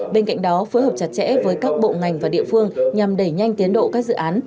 bên cạnh đó phối hợp chặt chẽ với các bộ ngành và địa phương nhằm đẩy nhanh tiến độ các dự án